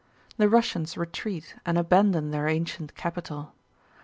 The Russians retreat and abandon their ancient capital.